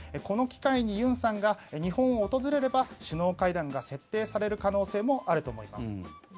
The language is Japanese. この機会に尹さんが日本を訪れれば首脳会談が設定される可能性もあると思います。